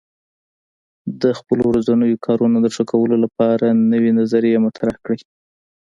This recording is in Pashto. د خپلو ورځنیو کارونو د ښه کولو لپاره نوې نظریې مطرح کړئ.